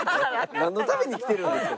なんのために来てるんですか？